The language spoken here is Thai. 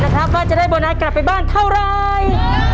ว่าจะได้โบนัสกลับไปบ้านเท่าไร